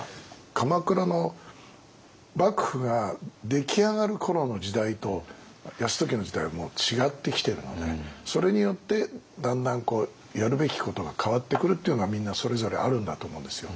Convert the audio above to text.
鎌倉の幕府が出来上がる頃の時代と泰時の時代はもう違ってきてるのでそれによってだんだんやるべきことが変わってくるというのはみんなそれぞれあるんだと思うんですよ。